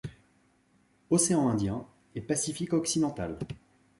Océan Indien et Pacifique occidental.